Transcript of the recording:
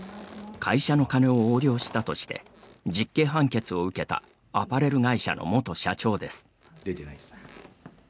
会社の金を横領したとして実刑判決を受けたアパレル会社の元社長です。